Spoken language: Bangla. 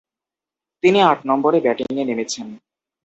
তিনি আট নম্বরে ব্যাটিংয়ে নেমেছেন।